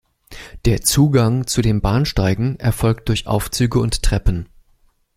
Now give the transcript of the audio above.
Der Zugang zu den Bahnsteigen erfolgt durch Aufzüge und Treppen.